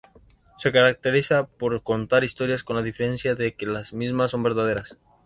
Se caracteriza por contar historias con las diferencias de que las mismas son verdaderas.